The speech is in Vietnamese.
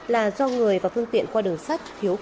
là do người và phương tiện qua đường sắt thiếu